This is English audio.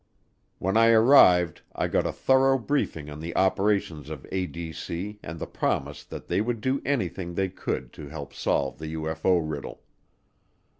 When I arrived I got a thorough briefing on the operations of ADC and the promise that they would do anything they could to help solve the UFO riddle.